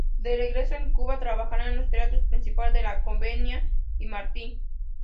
De regreso en Cuba trabaja en los teatros Principal de la Comedia y Martí.